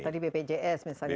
tadi bpjs misalnya